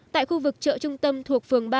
tại khu vực chợ trung tâm thuộc phường ba